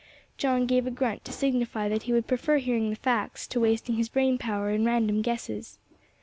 John gave a grunt, to signify that he would prefer hearing the facts to wasting his brain power in random guesses.